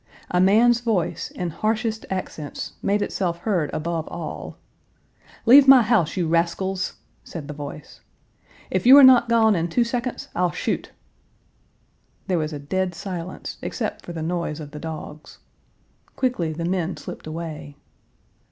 A man's voice, in harshest accents, made itself heard above all: "Leave my house, you rascals!" said the voice. "If you are not gone in two seconds, I'll shoot!" There was a dead silence except for the noise of the dogs. Quickly the men slipped away.